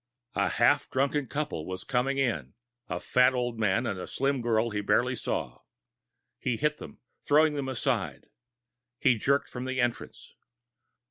A half drunken couple was coming in a fat, older man and a slim girl he barely saw. He hit them, throwing them aside. He jerked from the entrance.